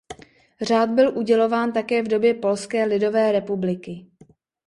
Řád byl udělován také v době Polské lidové republiky.